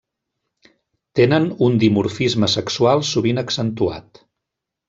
Tenen un dimorfisme sexual sovint accentuat.